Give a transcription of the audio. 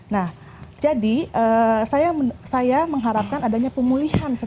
nah jadi saya mengharapkan adanya pemulihan secara umum